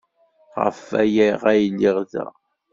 Ɣef waya ay lliɣ da.